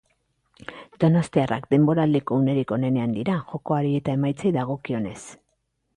Donostiarrak denboraldiko unerik onenean dira, jokoari eta emaitzei dagokienez.